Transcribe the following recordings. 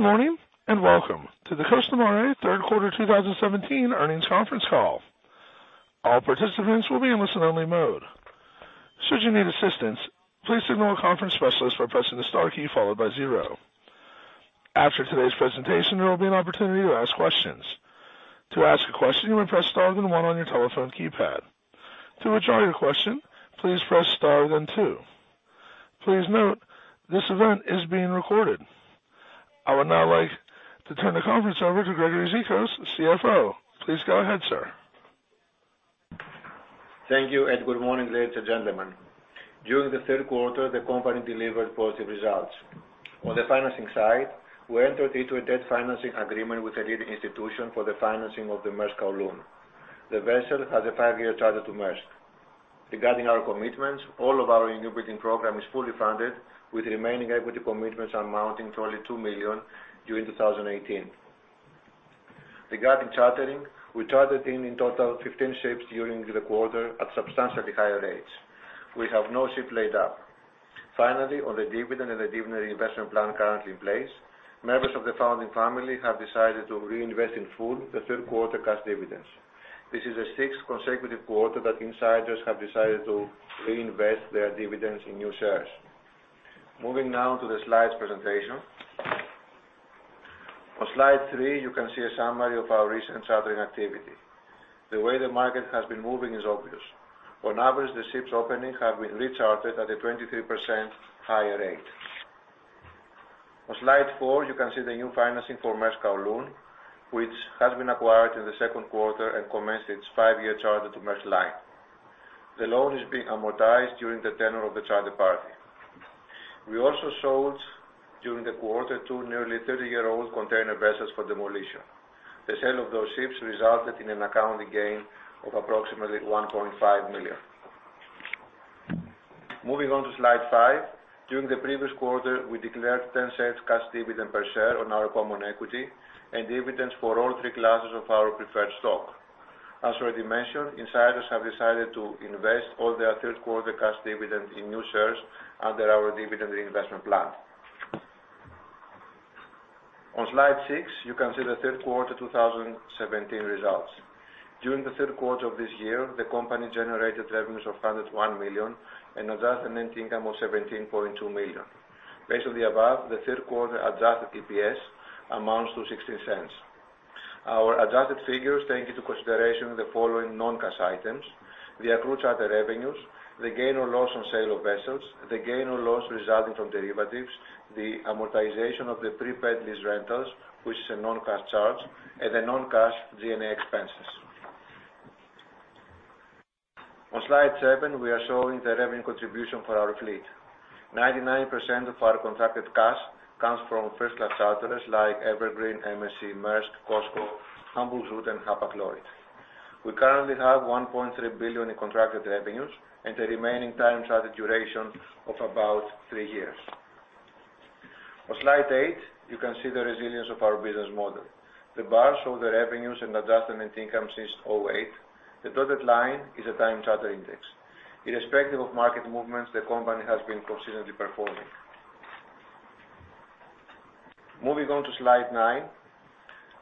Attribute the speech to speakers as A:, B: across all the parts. A: Good morning, and welcome to the Costamare third quarter 2017 earnings conference call. All participants will be in listen only mode. Should you need assistance, please signal a conference specialist by pressing the star key followed by zero. After today's presentation, there will be an opportunity to ask questions. To ask a question, you may press star then one on your telephone keypad. To withdraw your question, please press star then two. Please note, this event is being recorded. I would now like to turn the conference over to Gregory Zikos, CFO. Please go ahead, sir.
B: Thank you, good morning, ladies and gentlemen. During the third quarter, the company delivered positive results. On the financing side, we entered into a debt financing agreement with a leading institution for the financing of the Maersk Kowloon. The vessel has a five-year charter to Maersk. Regarding our commitments, all of our newbuilding program is fully funded with remaining equity commitments amounting to only $2 million during 2018. Regarding chartering, we chartered in total, 15 ships during the quarter at substantially higher rates. We have no ship laid up. Finally, on the dividend and the dividend reinvestment plan currently in place, members of the founding family have decided to reinvest in full the third quarter cash dividends. This is the sixth consecutive quarter that insiders have decided to reinvest their dividends in new shares. Moving now to the slides presentation. On slide three, you can see a summary of our recent chartering activity. The way the market has been moving is obvious. On average, the ships opening have been rechartered at a 23% higher rate. On slide four, you can see the new financing for Maersk Kowloon, which has been acquired in the second quarter and commenced its five-year charter to Maersk Line. The loan is being amortized during the tenure of the charter party. We also sold, during the quarter, two nearly 30-year-old container vessels for demolition. The sale of those ships resulted in an accounting gain of approximately $1.5 million. Moving on to slide five. During the previous quarter, we declared $0.10 cash dividend per share on our common equity and dividends for all three classes of our preferred stock. As already mentioned, insiders have decided to invest all their third quarter cash dividends in new shares under our dividend reinvestment plan. On slide six, you can see the third quarter 2017 results. During the third quarter of this year, the company generated revenues of $101 million and adjusted net income of $17.2 million. Based on the above, the third quarter adjusted EPS amounts to $0.16. Our adjusted figures take into consideration the following non-cash items: the accrued charter revenues, the gain or loss on sale of vessels, the gain or loss resulting from derivatives, the amortization of the prepaid lease rentals, which is a non-cash charge, and the non-cash D&A expenses. On slide seven, we are showing the revenue contribution for our fleet. 99% of our contracted costs comes from first-class charterers like Evergreen, MSC, Maersk, COSCO, Hapag-Lloyd. We currently have $1.3 billion in contracted revenues, and the remaining time charter duration of about three years. On slide eight, you can see the resilience of our business model. The bars show the revenues and adjusted net income since 2008. The dotted line is a time charter index. Irrespective of market movements, the company has been consistently performing. Moving on to slide nine.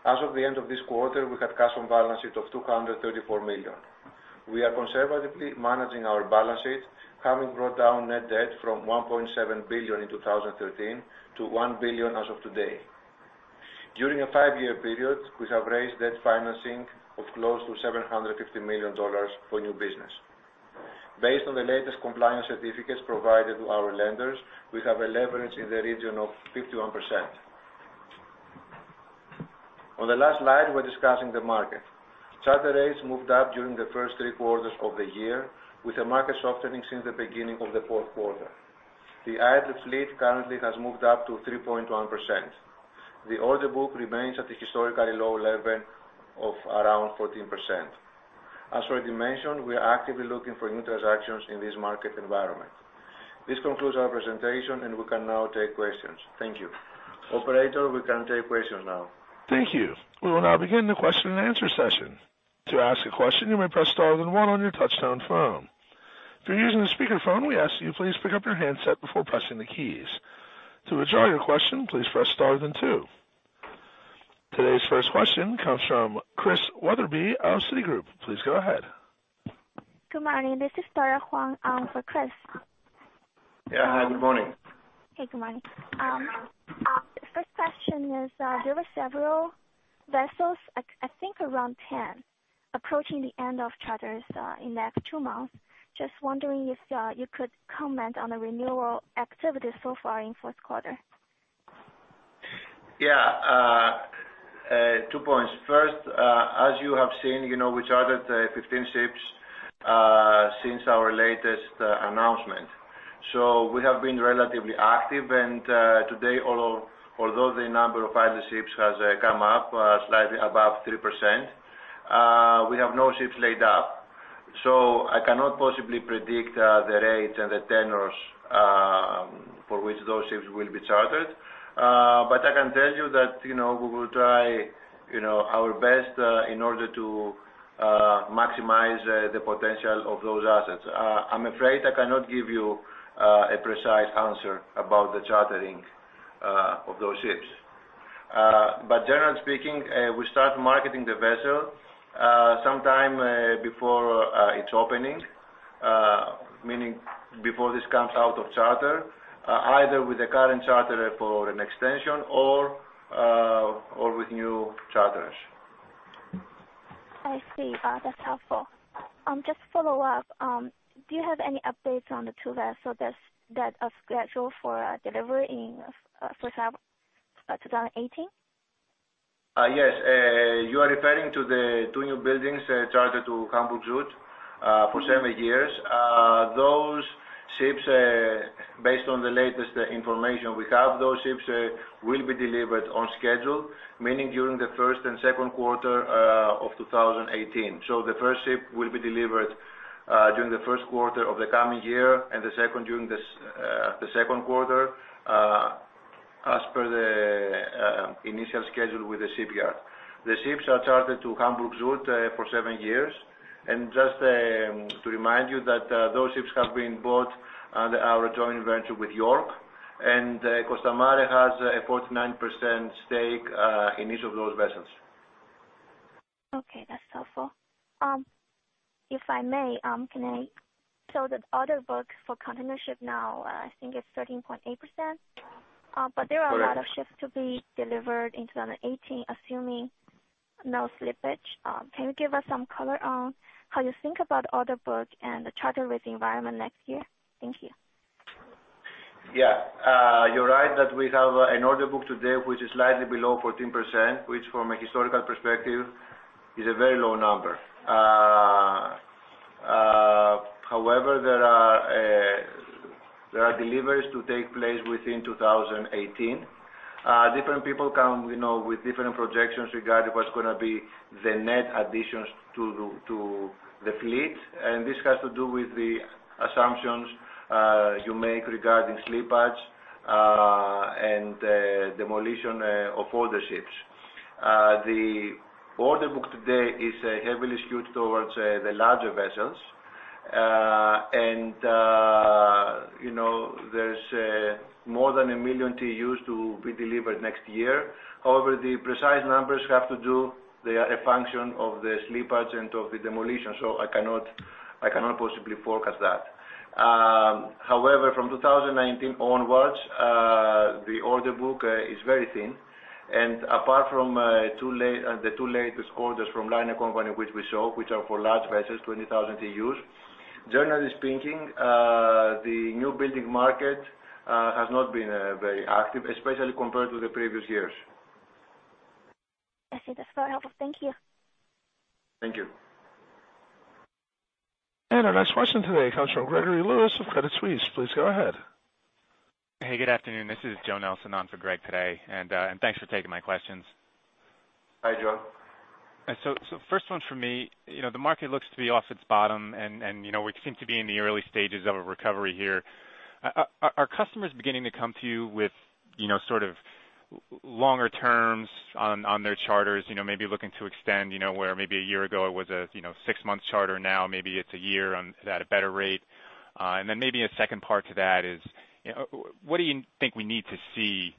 B: As of the end of this quarter, we had cash on balance sheet of $234 million. We are conservatively managing our balance sheet, having brought down net debt from $1.7 billion in 2013 to $1 billion as of today. During a five-year period, we have raised debt financing of close to $750 million for new business. Based on the latest compliance certificates provided to our lenders, we have a leverage in the region of 51%. On the last slide, we're discussing the market. Charter rates moved up during the first three quarters of the year with the market softening since the beginning of the fourth quarter. The idle fleet currently has moved up to 3.1%. The order book remains at a historically low level of around 14%. As already mentioned, we are actively looking for new transactions in this market environment. This concludes our presentation. We can now take questions. Thank you. Operator, we can take questions now.
A: Thank you. We will now begin the question and answer session. To ask a question, you may press star then one on your touchtone phone. If you're using a speakerphone, we ask that you please pick up your handset before pressing the keys. To withdraw your question, please press star then two. Today's first question comes from Chris Wetherbee of Citigroup. Please go ahead.
C: Good morning. This is Dora Huang for Chris.
B: Yeah. Hi, good morning.
C: Hey, good morning. First question is, there were several vessels, I think around 10, approaching the end of charters in the next two months. Just wondering if you could comment on the renewal activities so far in fourth quarter.
B: Yeah. Two points. First, as you have seen, we chartered 15 ships since our latest announcement. We have been relatively active, and today although the number of idle ships has come up slightly above 3%, we have no ships laid up. I cannot possibly predict the rates and the tenures for which those ships will be chartered. I can tell you that we will try our best in order to maximize the potential of those assets. I'm afraid I cannot give you a precise answer about the chartering of those ships. Generally speaking, we start marketing the vessel sometime before its opening, meaning before this comes out of charter, either with the current charterer for an extension or with new charterers.
C: I see. That's helpful. Just to follow up, do you have any updates on the two vessels that are scheduled for delivery in 2018?
B: Yes. You are referring to the 2 new buildings chartered to Hamburg Süd for 7 years. Based on the latest information we have, those ships will be delivered on schedule, meaning during the 1st and 2nd quarter of 2018. The 1st ship will be delivered during the 1st quarter of the coming year, and the 2nd during the 2nd quarter, as per the initial schedule with the shipyard. The ships are chartered to Hamburg Süd for 7 years. Just to remind you that those ships have been bought under our joint venture with York, and Costamare has a 49% stake in each of those vessels.
C: Okay, that's helpful. If I may, can I show that order book for container ship now, I think it's 13.8%?
B: Correct
C: There are a lot of ships to be delivered in 2018, assuming no slippage. Can you give us some color on how you think about order book and the charter rate environment next year? Thank you.
B: Yeah. You're right that we have an order book today which is slightly below 14%, which from a historical perspective is a very low number. However, there are deliveries to take place within 2018. Different people come with different projections regarding what's going to be the net additions to the fleet. This has to do with the assumptions you make regarding slippage and demolition of older ships. The order book today is heavily skewed towards the larger vessels. There's more than 1 million TEUs to be delivered next year. However, the precise numbers have to do, they are a function of the slippage and of the demolition. I cannot possibly forecast that. However, from 2019 onwards, the order book is very thin, and apart from the 2 latest orders from liner company which we saw, which are for large vessels, 20,000 TEUs. Generally speaking, the new building market has not been very active, especially compared to the previous years.
C: I see. That's very helpful. Thank you.
B: Thank you.
A: Our next question today comes from Gregory Lewis of Credit Suisse. Please go ahead.
D: Hey, good afternoon. This is Joe Nelson on for Greg today. Thanks for taking my questions.
B: Hi, Joe.
D: First one from me. The market looks to be off its bottom, we seem to be in the early stages of a recovery here. Are customers beginning to come to you with sort of longer terms on their charters, maybe looking to extend where maybe a year ago it was a six-month charter, now maybe it's a year at a better rate? Maybe a second part to that is, what do you think we need to see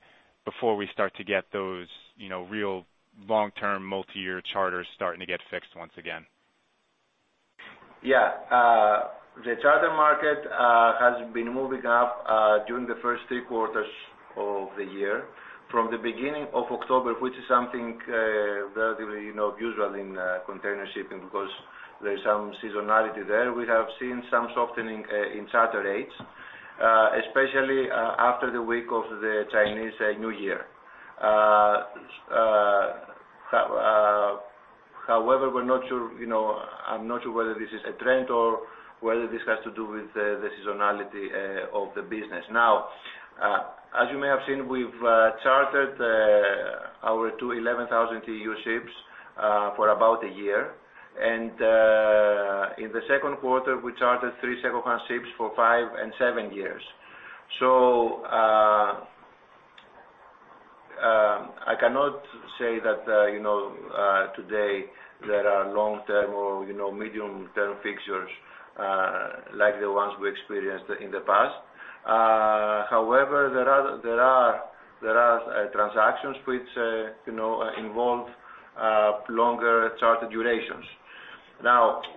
D: before we start to get those real long-term multi-year charters starting to get fixed once again?
B: Yeah. The charter market has been moving up during the first three quarters of the year. From the beginning of October, which is something relatively unusual in container shipping because there is some seasonality there, we have seen some softening in charter rates, especially after the week of the Chinese New Year. However, I'm not sure whether this is a trend or whether this has to do with the seasonality of the business. As you may have seen, we've chartered our two 11,000 TEU ships for about a year. In the second quarter, we chartered three second-hand ships for five and seven years. I cannot say that today there are long-term or medium-term fixtures like the ones we experienced in the past. However, there are transactions which involve longer charter durations.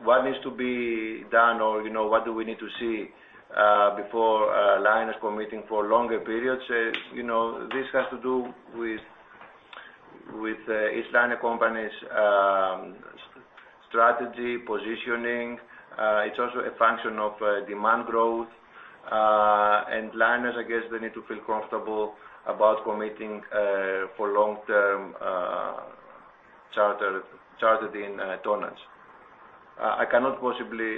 B: What needs to be done or what do we need to see before liners committing for longer periods? This has to do with each liner company's strategy, positioning. It's also a function of demand growth. Liners, I guess they need to feel comfortable about committing for long-term chartered in tonnage. I cannot possibly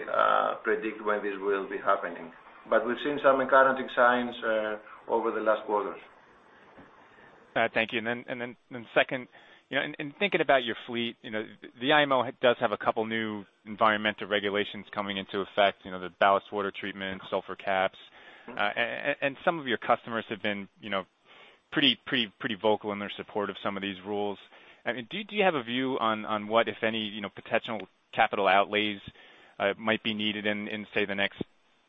B: predict when this will be happening, but we've seen some encouraging signs over the last quarters.
D: Thank you. Second, in thinking about your fleet, the IMO does have a couple of new environmental regulations coming into effect, the ballast water treatment, sulfur caps. Some of your customers have been pretty vocal in their support of some of these rules. Do you have a view on what, if any, potential capital outlays might be needed in, say, the next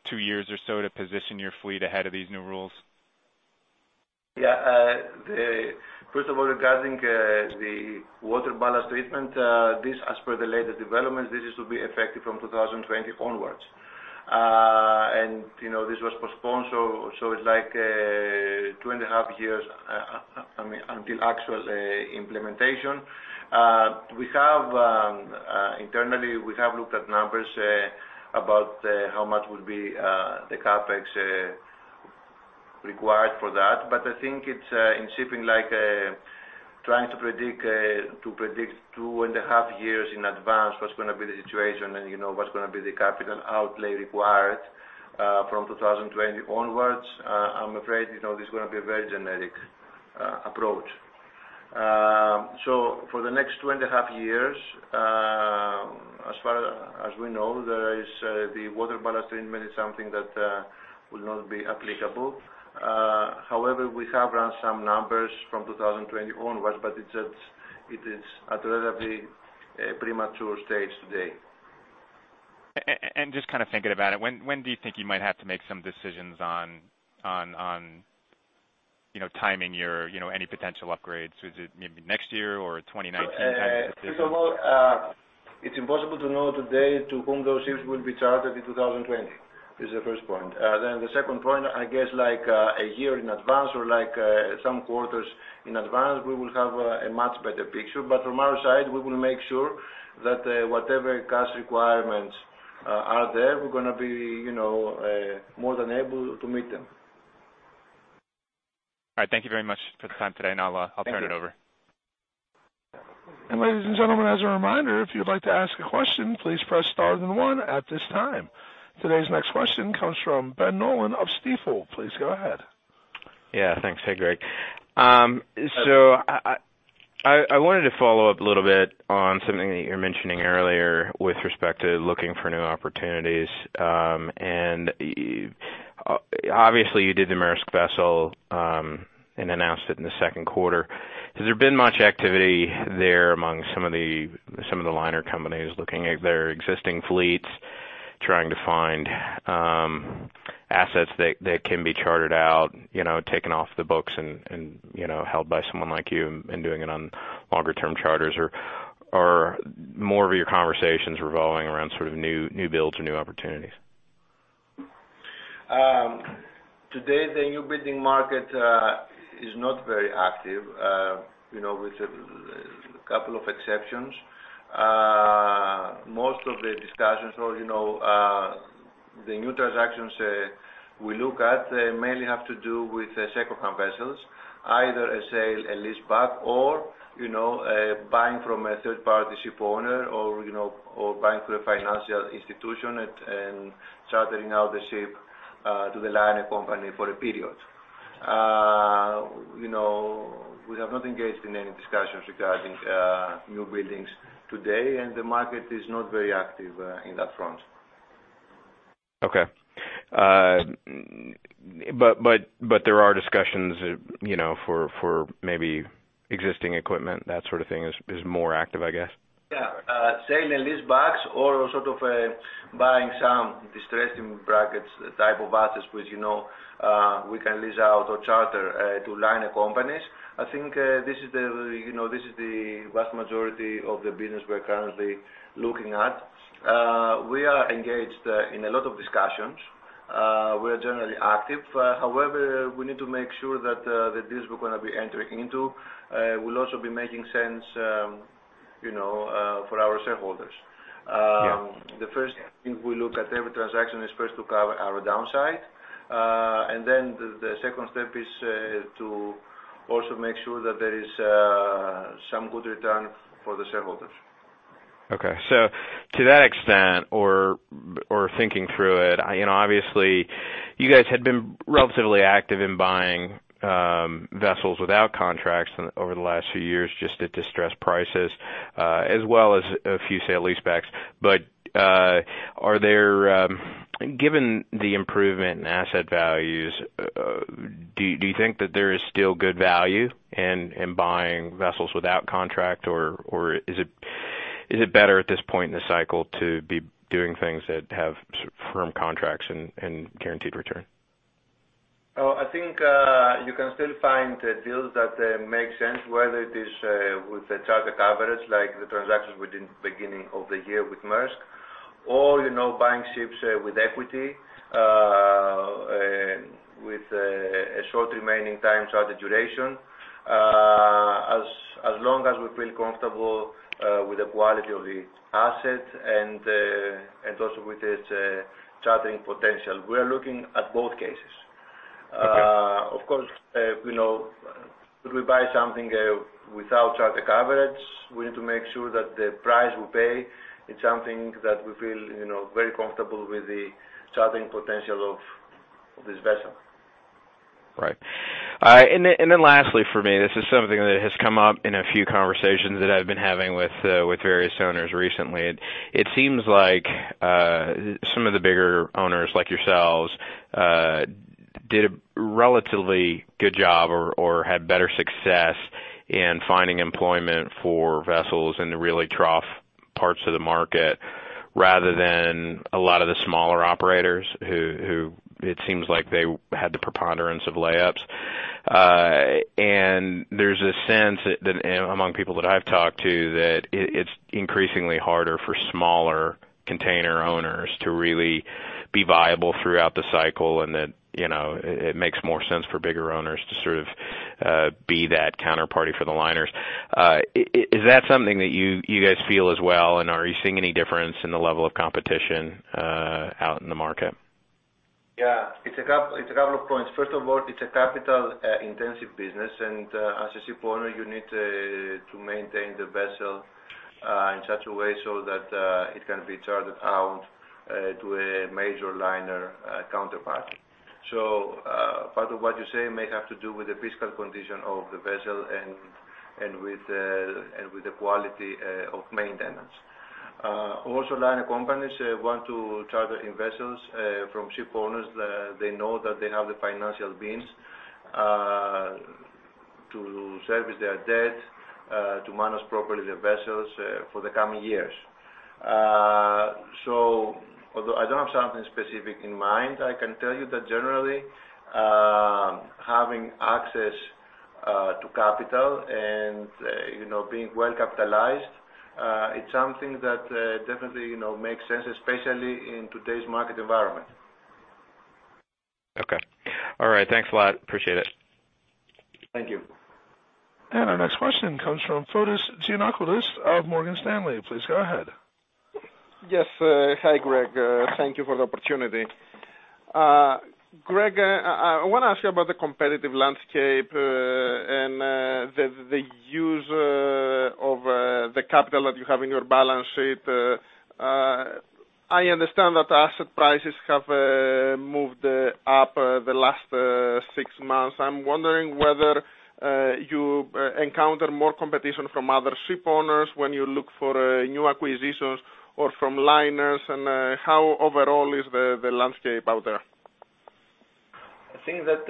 D: two years or so to position your fleet ahead of these new rules?
B: First of all, regarding the water ballast treatment, as per the latest developments, this will be effective from 2020 onwards. This was postponed, so it's like two and a half years until actual implementation. Internally, we have looked at numbers about how much would be the CapEx required for that, but I think in shipping, trying to predict two and a half years in advance what's going to be the situation and what's going to be the capital outlay required from 2020 onwards, I'm afraid this is going to be a very generic approach. For the next two and a half years, as far as we know, the water ballast treatment is something that will not be applicable. However, we have run some numbers from 2020 onwards, but it is at a relatively premature stage today.
D: Just kind of thinking about it, when do you think you might have to make some decisions on timing any potential upgrades? Is it maybe next year or a 2019 kind of decision?
B: First of all, it's impossible to know today to whom those ships will be chartered in 2020, is the first point. The second point, I guess a year in advance or some quarters in advance, we will have a much better picture. From our side, we will make sure that whatever cost requirements are there, we're going to be more than able to meet them.
D: All right. Thank you very much for the time today. Now I'll turn it over.
B: Thank you.
A: ladies and gentlemen, as a reminder, if you'd like to ask a question, please press star then one at this time. Today's next question comes from Ben Nolan of Stifel. Please go ahead.
E: Yeah, thanks. Hey, Greg. I wanted to follow up a little bit on something that you were mentioning earlier with respect to looking for new opportunities. Obviously you did the Maersk vessel, and announced it in the second quarter. Has there been much activity there among some of the liner companies looking at their existing fleets, trying to find assets that can be chartered out, taken off the books and held by someone like you and doing it on longer term charters, or are more of your conversations revolving around sort of new builds or new opportunities?
B: Today, the new building market is not very active with a couple of exceptions. Most of the discussions or the new transactions we look at mainly have to do with second-hand vessels, either a sale-and-leaseback or buying from a third party ship owner or buying from a financial institution and chartering out the ship to the liner company for a period. We have not engaged in any discussions regarding new buildings today, the market is not very active in that front.
E: Okay. There are discussions for maybe existing equipment, that sort of thing is more active, I guess?
B: Yeah. Sale-and-leaseback or sort of buying some distressed, in brackets, type of assets which we can lease out or charter to liner companies. I think this is the vast majority of the business we're currently looking at. We are engaged in a lot of discussions. We're generally active. We need to make sure that the deals we're going to be entering into will also be making sense for our shareholders.
E: Yeah.
B: The first thing we look at every transaction is first to cover our downside. The second step is to also make sure that there is some good return for the shareholders.
E: Okay. To that extent or thinking through it, obviously you guys had been relatively active in buying vessels without contracts over the last few years just at distressed prices, as well as a few sale-and-leaseback. Given the improvement in asset values, do you think that there is still good value in buying vessels without contract, or is it better at this point in the cycle to be doing things that have firm contracts and guaranteed return?
B: Oh, I think you can still find deals that make sense whether it is with the charter coverage, like the transactions within beginning of the year with Maersk or buying ships with equity with a short remaining time charter duration. As long as we feel comfortable with the quality of the asset and also with its chartering potential, we're looking at both cases.
E: Okay.
B: Of course, if we buy something without charter coverage, we need to make sure that the price we pay is something that we feel very comfortable with the chartering potential of this vessel.
E: Right. Lastly for me, this is something that has come up in a few conversations that I've been having with various owners recently. It seems like some of the bigger owners like yourselves did a relatively good job or had better success in finding employment for vessels in the really trough parts of the market rather than a lot of the smaller operators who it seems like they had the preponderance of layups. There's a sense that among people that I've talked to, that it's increasingly harder for smaller container owners to really be viable throughout the cycle, and that it makes more sense for bigger owners to sort of be that counterparty for the liners. Is that something that you guys feel as well, and are you seeing any difference in the level of competition out in the market?
B: Yeah. It's a couple of points. First of all, it's a capital-intensive business, and as a shipowner, you need to maintain the vessel in such a way so that it can be chartered out to a major liner counterpart. Liner companies want to charter in vessels from ship owners that they know that they have the financial means to service their debt, to manage properly their vessels for the coming years. Although I don't have something specific in mind, I can tell you that generally, having access to capital and being well-capitalized, it's something that definitely makes sense, especially in today's market environment.
E: Okay. All right. Thanks a lot. Appreciate it.
B: Thank you.
A: Our next question comes from Fotis Giannakoulis of Morgan Stanley. Please go ahead.
F: Yes. Hi, Greg. Thank you for the opportunity. Greg, I want to ask you about the competitive landscape and the use of the capital that you have in your balance sheet. I understand that asset prices have moved up the last six months. I'm wondering whether you encounter more competition from other ship owners when you look for new acquisitions or from liners, and how overall is the landscape out there?
B: I think that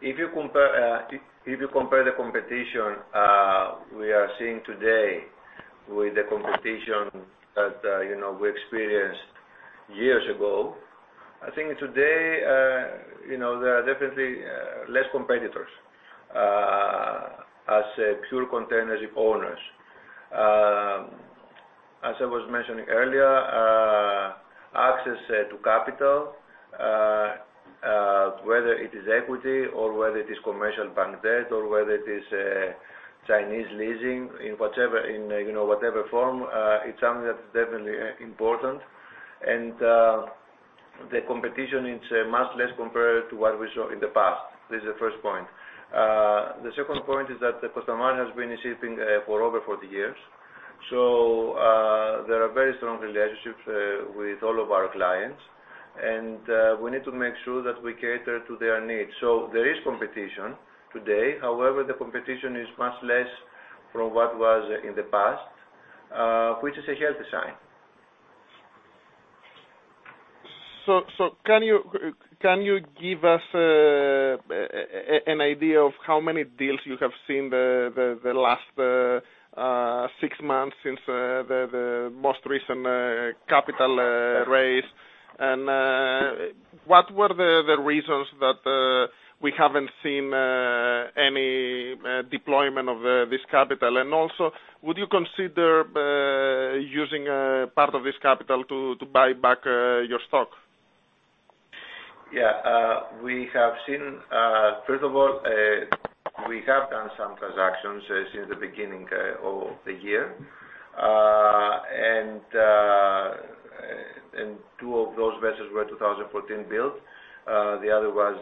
B: if you compare the competition we are seeing today with the competition that we experienced years ago, I think today there are definitely less competitors as pure container ship owners. As I was mentioning earlier, access to capital, whether it is equity or whether it is commercial bank debt or whether it is Chinese leasing in whatever form, it's something that's definitely important. The competition is much less compared to what we saw in the past. This is the first point. The second point is that Costamare has been shipping for over 40 years. There are very strong relationships with all of our clients, and we need to make sure that we cater to their needs. There is competition today. However, the competition is much less from what was in the past, which is a healthy sign.
F: Can you give us an idea of how many deals you have seen the last six months since the most recent capital raise, and what were the reasons that we haven't seen any deployment of this capital? Also, would you consider using part of this capital to buy back your stock?
B: First of all, we have done some transactions since the beginning of the year. Two of those vessels were 2014 build. The other was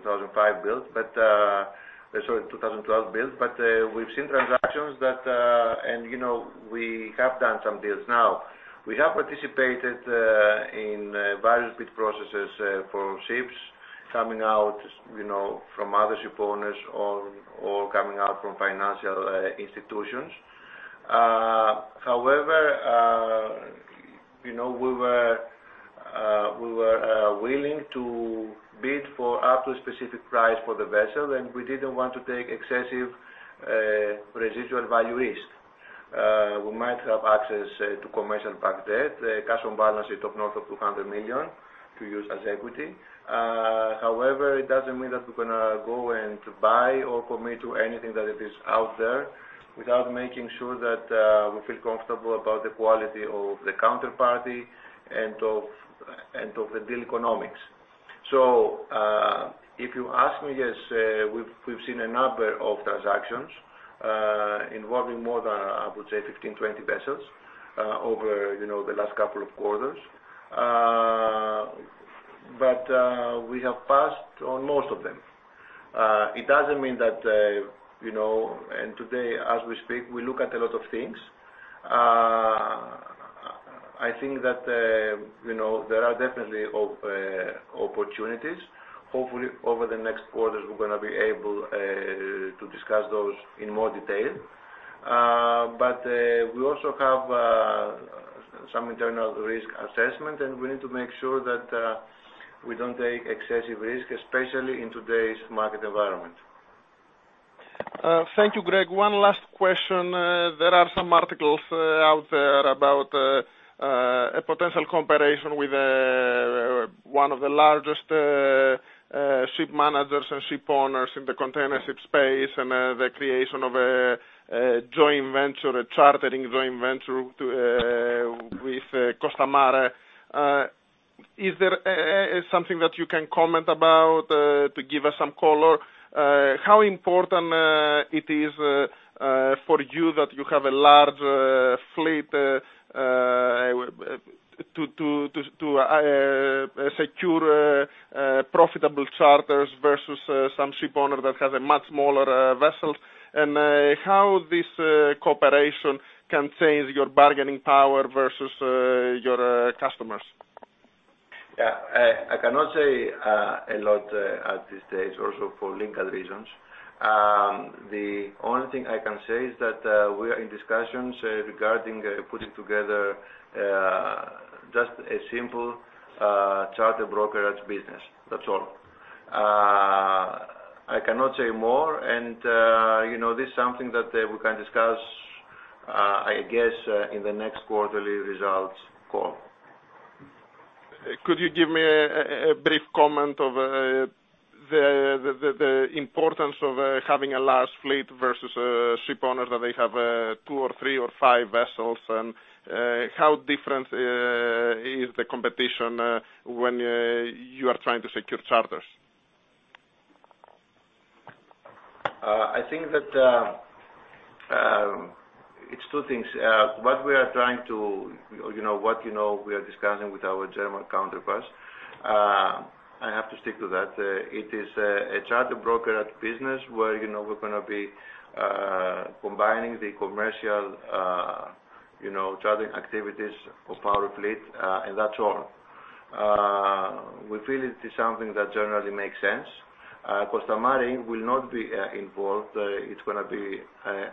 B: 2005 build, 2012 build. We've seen transactions that, and we have done some deals now. We have participated in various bid processes for ships coming out from other ship owners or coming out from financial institutions. However, we were willing to bid for up to a specific price for the vessel, and we didn't want to take excessive residual value risk. We might have access to commercial bank debt, a Costamare balance sheet of north of $200 million to use as equity. However, it doesn't mean that we're going to go and buy or commit to anything that it is out there without making sure that we feel comfortable about the quality of the counterparty and of the deal economics. If you ask me, yes, we've seen a number of transactions involving more than, I would say, 15, 20 vessels over the last couple of quarters. We have passed on most of them. It doesn't mean that, and today, as we speak, we look at a lot of things. I think that there are definitely opportunities. Hopefully, over the next quarters, we're going to be able to discuss those in more detail. We also have some internal risk assessment, and we need to make sure that we don't take excessive risk, especially in today's market environment.
F: Thank you, Greg. One last question. There are some articles out there about a potential cooperation with one of the largest ship managers and ship owners in the container ship space and the creation of a chartering joint venture with Costamare. Is there something that you can comment about to give us some color? How important it is for you that you have a large fleet to secure profitable charters versus some ship owner that has a much smaller vessel? How this cooperation can change your bargaining power versus your customers?
B: I cannot say a lot at this stage, also for legal reasons. The only thing I can say is that we are in discussions regarding putting together just a simple charter brokerage business. That's all. I cannot say more, and this is something that we can discuss, I guess, in the next quarterly results call.
F: Could you give me a brief comment of the importance of having a large fleet versus ship owners that they have two or three or five vessels, and how different is the competition when you are trying to secure charters?
B: I think that it's two things. What we are discussing with our German counterparts, I have to stick to that. It is a charter brokerage business where we're going to be combining the commercial charter activities of our fleet, that's all. We feel it is something that generally makes sense. Costamare will not be involved. It's going to be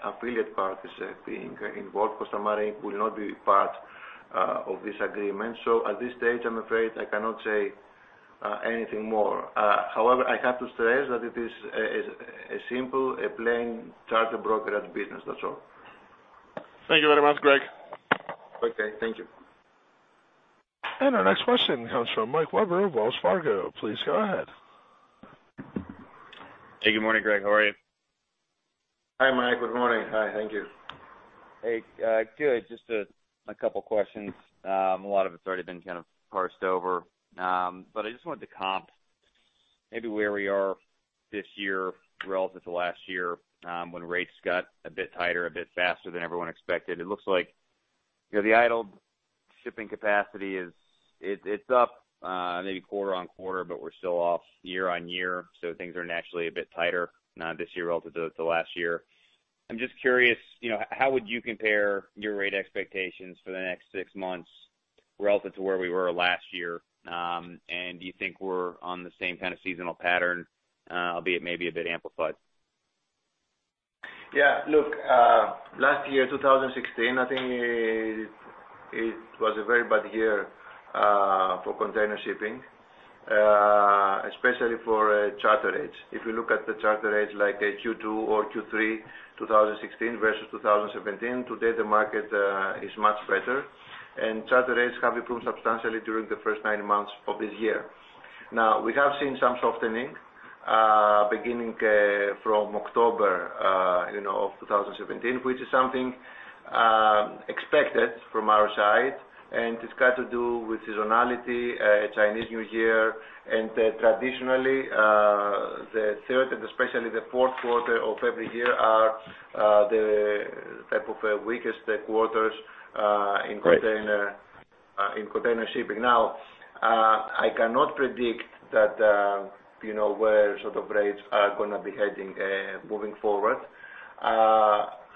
B: affiliate parties being involved. Costamare will not be part of this agreement. At this stage, I'm afraid I cannot say anything more. However, I have to stress that it is a simple, a plain charter brokerage business. That's all.
F: Thank you very much, Greg.
B: Okay. Thank you.
A: Our next question comes from Michael Webber of Wells Fargo. Please go ahead.
G: Hey, good morning, Greg. How are you?
B: Hi, Mike. Good morning. Hi. Thank you.
G: Hey. Good. Just a couple questions. A lot of it's already been kind of parsed over. I just wanted to comp maybe where we are this year relative to last year when rates got a bit tighter, a bit faster than everyone expected. It looks like the idle shipping capacity it's up maybe quarter-on-quarter, but we're still off year-on-year, so things are naturally a bit tighter this year relative to last year. I'm just curious, how would you compare your rate expectations for the next 6 months relative to where we were last year? Do you think we're on the same kind of seasonal pattern, albeit maybe a bit amplified?
B: Yeah. Look, last year, 2016, I think it was a very bad year for container shipping, especially for charter rates. If you look at the charter rates like Q2 or Q3 2016 versus 2017, today the market is much better, and charter rates have improved substantially during the first 9 months of this year. We have seen some softening beginning from October of 2017, which is something expected from our side, and it's got to do with seasonality, Chinese New Year, and traditionally, the third and especially the fourth quarter of every year are the type of weakest quarters in container shipping. I cannot predict where sort of rates are going to be heading moving forward.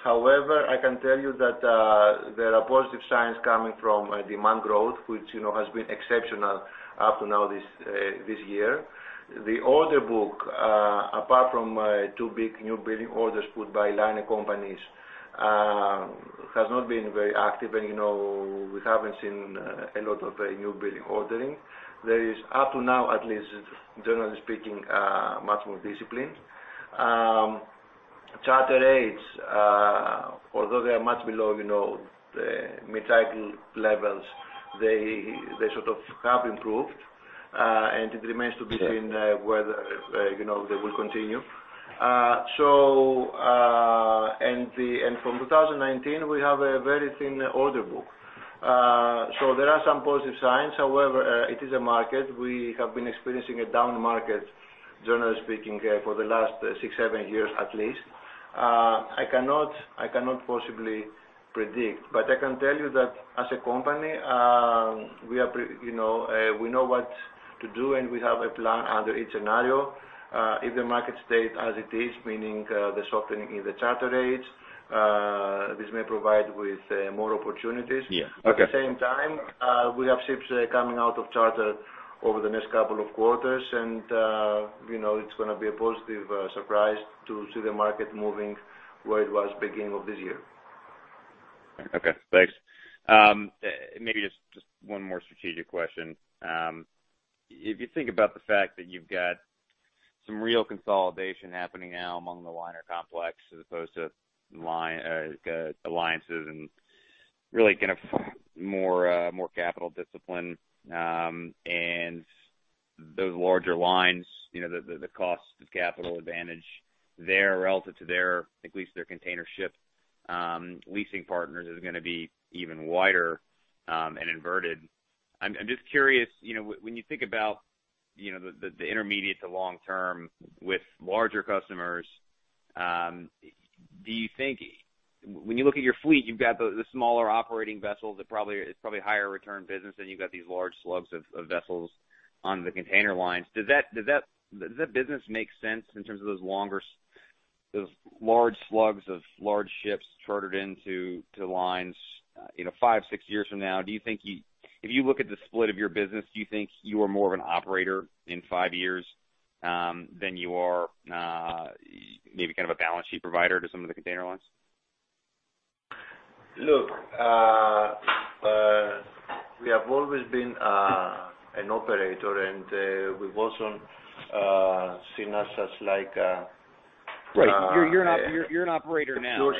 B: However, I can tell you that there are positive signs coming from demand growth, which has been exceptional up to now this year. The order book, apart from two big new building orders put by liner companies, has not been very active. We haven't seen a lot of new building ordering. There is, up to now at least, generally speaking, much more discipline. Charter rates, although they are much below the mid-cycle levels, they sort of have improved, and it remains to be seen whether they will continue. From 2019, we have a very thin order book. There are some positive signs. However, it is a market. We have been experiencing a down market, generally speaking, for the last 6, 7 years at least. I cannot possibly predict, but I can tell you that as a company, we know what to do, and we have a plan under each scenario. If the market stays as it is, meaning the softening in the charter rates, this may provide with more opportunities.
G: Yeah. Okay.
B: At the same time, we have ships coming out of charter over the next couple of quarters, and it's going to be a positive surprise to see the market moving where it was beginning of this year.
G: Okay, thanks. Maybe just one more strategic question. If you think about the fact that you've got some real consolidation happening now among the liner complex as opposed to alliances and really more capital discipline and those larger lines, the cost of capital advantage there relative to their, at least their container ship leasing partners is going to be even wider and inverted. I'm just curious, when you think about the intermediate-to-long-term with larger customers, when you look at your fleet, you've got the smaller operating vessels, it's probably a higher return business than you've got these large slugs of vessels on the container lines. Does that business make sense in terms of those large slugs of large ships chartered into lines five, six years from now? If you look at the split of your business, do you think you are more of an operator in five years than you are maybe a balance sheet provider to some of the container lines?
B: Look, we have always been an operator.
G: Right. You're an operator now.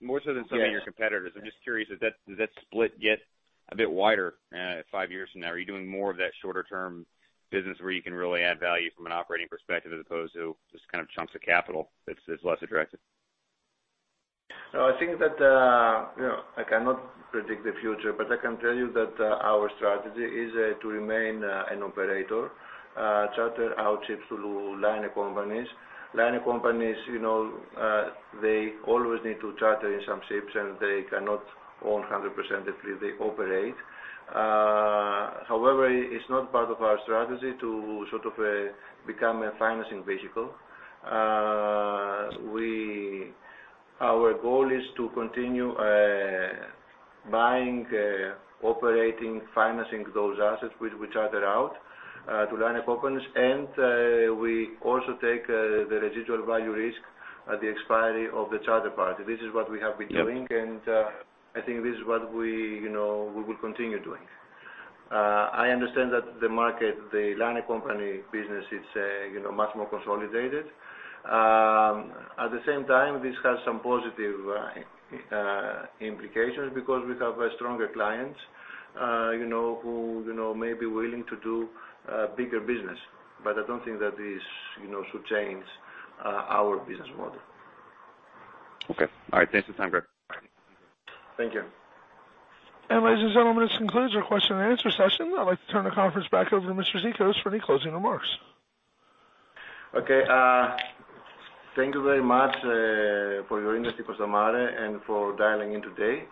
G: More so than some of your competitors. I'm just curious, does that split get a bit wider five years from now? Are you doing more of that shorter term business where you can really add value from an operating perspective as opposed to just chunks of capital that's less attractive?
B: No, I think that I cannot predict the future, but I can tell you that our strategy is to remain an operator, charter our ships to liner companies. Liner companies they always need to charter in some ships, and they cannot own 100% the fleet they operate. However, it's not part of our strategy to become a financing vehicle. Our goal is to continue buying operating, financing those assets which we charter out to liner companies. We also take the residual value risk at the expiry of the charter party. This is what we have been doing.
G: Yep.
B: I think this is what we will continue doing. I understand that the market, the liner company business is much more consolidated. At the same time, this has some positive implications because we have stronger clients who may be willing to do bigger business. I don't think that this should change our business model.
G: Okay. All right. Thanks for your time, Greg. Bye.
B: Thank you.
A: Ladies and gentlemen, this concludes our question and answer session. I'd like to turn the conference back over to Mr. Zikos for any closing remarks.
B: Okay. Thank you very much for your interest in Costamare and for dialing in today.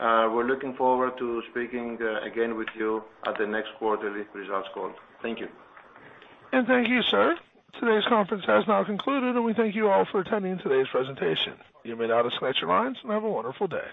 B: We're looking forward to speaking again with you at the next quarterly results call. Thank you.
A: Thank you, sir. Today's conference has now concluded, and we thank you all for attending today's presentation. You may now disconnect your lines and have a wonderful day.